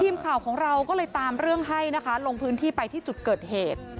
ทีมข่าวของเราก็เลยตามเรื่องให้นะคะลงพื้นที่ไปที่จุดเกิดเหตุ